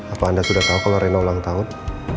apa anda sudah tahu kalau arena ulang tahun